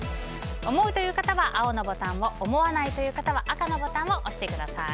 思うという方は青のボタンを思わないという方は赤のボタンを押してください。